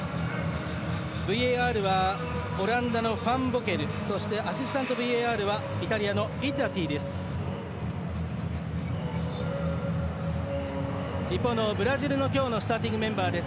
ＶＡＲはオランダのファンボケルそして、アシスタントＶＡＲはイタリアのイッラティです。